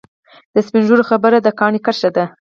د سپین ږیرو خبره د کاڼي کرښه ده.